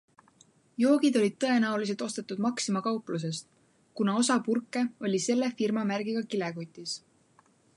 Joogid olid tõenäoliselt ostetud Maxima kauplusest, kuna osa purke oli selle firmamärgiga kilekotis.